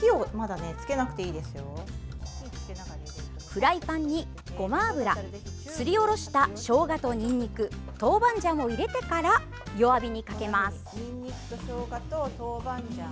フライパンにごま油すりおろしたしょうがとにんにくトーバンジャンを入れてから弱火にかけます。